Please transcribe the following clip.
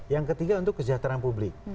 yang ketiga untuk kesejahteraan publik